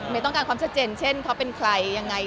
ต้องการความชัดเจนเช่นเขาเป็นใครยังไง